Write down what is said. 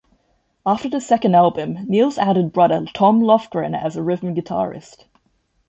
After the second album Nils added brother Tom Lofgren as a rhythm guitarist.